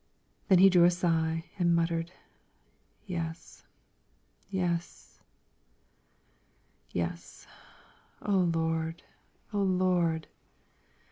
Then he drew a sigh and muttered, "Yes yes yes; O Lord! O Lord!"